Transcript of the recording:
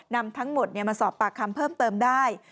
นำทั้งหมดมาสอบปากคำเพิ่มเติมได้